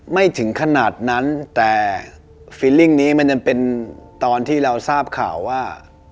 ไม่ถึงขนาดนั้นแต่ฟิลลิ่งนี้มันยังเป็นตอนที่เราทราบข่าวว่า